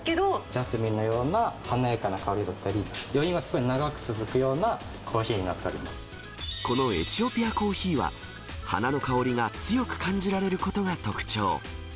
ジャスミンのような華やかな香りだったり、余韻はすごく長く続くようなコーヒーになっておりこのエチオピアコーヒーは、花の香りが強く感じられることが特徴。